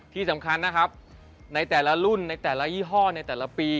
ที่สำคัญนะครับในแต่ละรุ่นในแต่ละยี่ห้อในแต่ละปี